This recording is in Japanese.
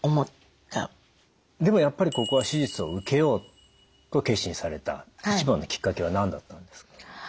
でもやっぱりここは手術を受けようと決心された一番のきっかけは何だったんですか？